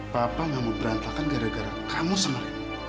papa mau berantakan gara gara kamu sama rene